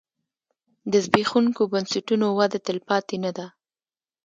د زبېښونکو بنسټونو وده تلپاتې نه ده.